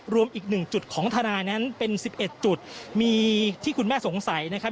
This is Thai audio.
รวมอีกหนึ่งจุดของทนายนั้นเป็น๑๑จุดมีที่คุณแม่สงสัยนะครับ